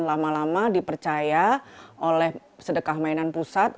lama lama dipercaya oleh sedekah mainan pusat